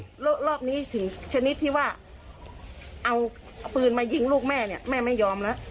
แล้วรอบนี้สิ่งชนิดที่ว่าเอาปืนมายิงลูกแม่เนี่ยแม่ไม่ยอมแล้ว